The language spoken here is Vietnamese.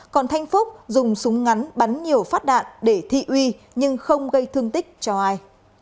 còn thanh phúc dùng súng ngắn bắn nhiều phát đạn để thị uy nhưng không gây thương tích cho ai